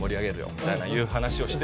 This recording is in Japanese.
みたいな話をしてて。